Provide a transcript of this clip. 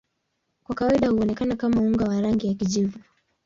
Kwa kawaida huonekana kama unga wa rangi ya kijivu.